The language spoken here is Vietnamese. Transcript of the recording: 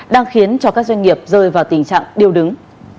đang khiến cho các doanh nghiệp rơi vào tình trạng điêu đứng